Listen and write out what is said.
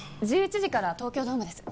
１１時から東京ドームです